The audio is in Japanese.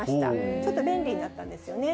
ちょっと便利になったんですよね。